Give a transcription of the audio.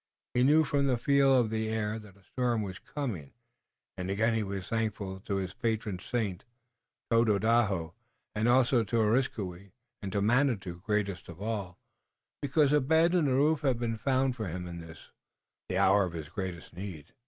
He knew from the feel of the air that a storm was coming, and again he was thankful to his patron saint, Tododaho, and also to Areskoui, and to Manitou, greatest of all, because a bed and a roof had been found for him in this, the hour of his greatest need.